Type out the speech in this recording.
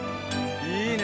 いいね。